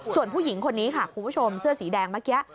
ส่วนผู้หญิงคนนี้ค่ะคุณผู้ชมเสื้อสีแดงเมื่อกี้